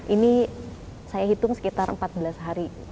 ini saya hitung sekitar empat belas hari